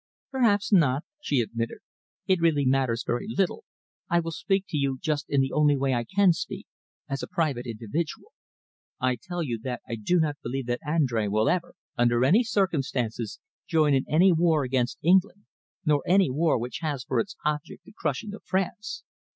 "Perhaps not," she admitted. "It really matters very little. I will speak to you just in the only way I can speak, as a private individual. I tell you that I do not believe that Andrea will ever, under any circumstances, join in any war against England, nor any war which has for its object the crushing of France.